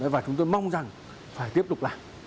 và chúng tôi mong rằng phải tiếp tục làm